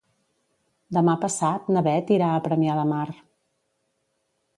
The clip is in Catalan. Demà passat na Beth irà a Premià de Mar.